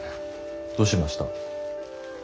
どうしました？